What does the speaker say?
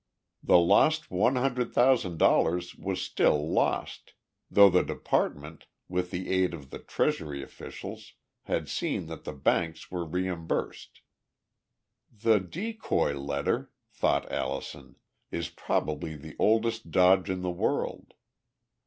The lost one hundred thousand dollars was still lost; though the department, with the aid of the Treasury officials, had seen that the banks were reimbursed. "The decoy letter," thought Allison, "is probably the oldest dodge in the world.